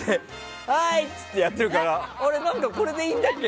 はいってやってるからこれでいいんだっけ？